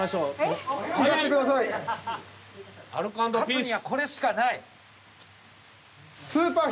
勝つにはこれしかない。